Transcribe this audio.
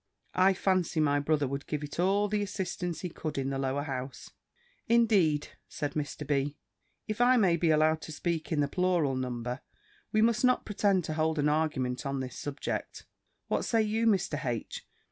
I fancy my brother would give it all the assistance he could in the Lower House." "Indeed," said Mr. B., "if I may be allowed to speak in the plural number, we must not pretend to hold an argument on this subject. What say you, Mr. H.?